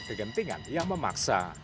kegentingan yang memaksa